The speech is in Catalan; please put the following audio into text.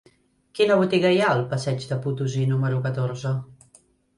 Quina botiga hi ha al passeig de Potosí número catorze?